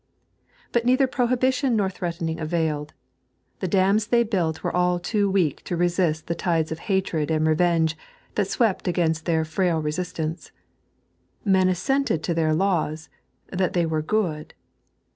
But neither prohibition nor threatening availed. The dams they built were all too weak to resist the tides of hatred and revenge that swept against their frail resist ance. Men assented to their laws, that they were good.